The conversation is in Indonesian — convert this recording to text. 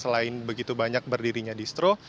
selain begitu banyak berdirinya distro